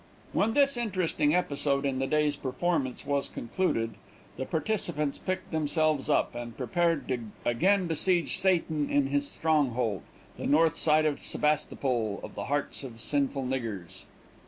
When this interesting episode in the day's performance was concluded, the participants picked themselves up, and prepared to again besiege Satan in his stronghold, the north side of Sebastopol of the hearts of sinful niggers.